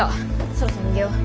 そろそろ逃げよう。